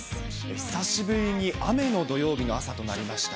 久しぶりに雨の土曜日の朝となりました。